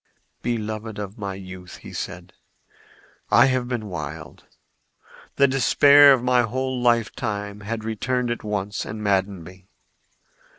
"Beloved of my youth," said he, "I have been wild. The despair of my whole lifetime had returned at once and maddened me.